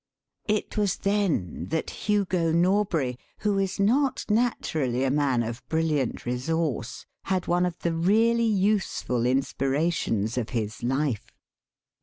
It was then that Hugo Norbury, who is not naturally a man of brilliant resource, had one of the really useful inspirations of his life.